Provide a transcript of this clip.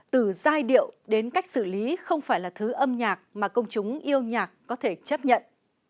từ giai điệu đến cách xử lý không phải là thứ âm nhạc mà công chúng yêu nhạc có thể chấp nhận